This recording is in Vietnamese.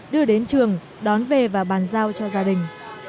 đưa đến trường đón về và bàn giao cho gia đình